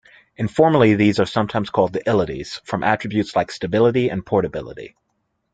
Informally these are sometimes called the "ilities", from attributes like stability and portability.